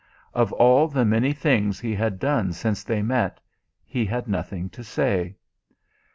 Of all the many things he had done since they met he had nothing to say.